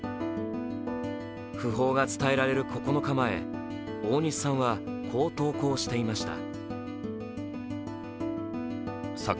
訃報が伝えられる９日前、大西さんはこう投稿していました。